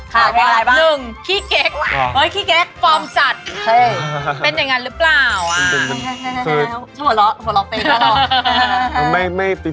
ถามเป็นอะไรบ้าง